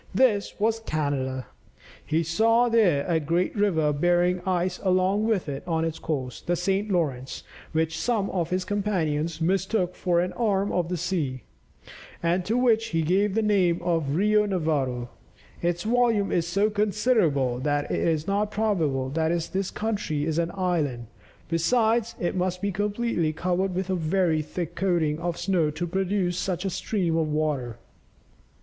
This was Canada. He saw there a great river bearing ice along with it on its course the St. Lawrence which some of his companions mistook for an arm of the sea, and to which he gave the name of Rio Nevado. "Its volume is so considerable that it is not probable that this country is an island, besides, it must be completely covered with a very thick coating of snow to produce such a stream of water."